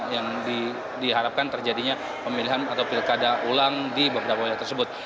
yang diharapkan terjadinya pemilihan atau pilkada ulang di beberapa wilayah tersebut